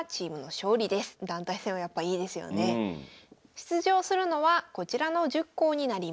出場するのはこちらの１０校になります。